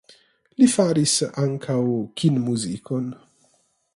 Li faris ankaŭ kinmuzikon.